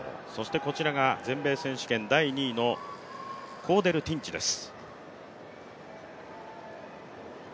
こちらが全米選手権第２位のコーデル・ティンチです。